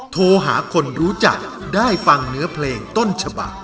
โทรหาคนรู้จักได้ฟังเนื้อเพลงต้นฉบัก